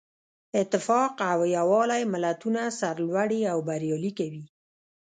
اتفاق او یووالی ملتونه سرلوړي او بریالي کوي.